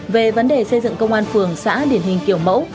về vấn đề xây dựng công an phường xã điển hình kiểu mẫu